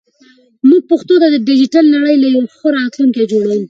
موږ پښتو ته په ډیجیټل نړۍ کې یو ښه راتلونکی جوړوو.